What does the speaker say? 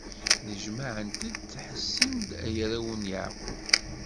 Nnejmaɛet-d, tḥessem-d, ay arraw n Yeɛqub!